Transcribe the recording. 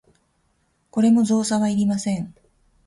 これも造作はいりません。